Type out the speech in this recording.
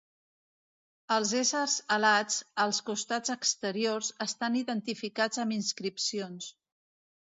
Els éssers alats, als costats exteriors, estan identificats amb inscripcions.